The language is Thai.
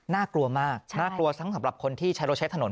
น่ากลัวมากน่ากลัวทั้งสำหรับคนที่ใช้รถใช้ถนน